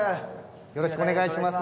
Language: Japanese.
よろしくお願いします。